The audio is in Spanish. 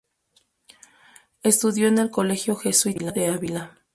Estudió en el Colegio jesuita de Ávila.